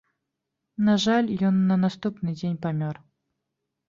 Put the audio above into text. На жаль, ён на наступны дзень памёр.